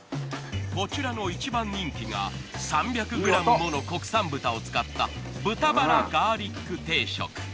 こちらの一番人気が３００ｇもの国産豚を使った豚バラガーリック定食。